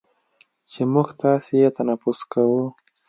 چې موږ تاسې یې تنفس کوو،